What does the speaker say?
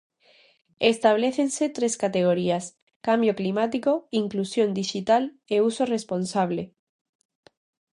Establécense tres categorías: Cambio climático, Inclusión dixital e Uso responsable.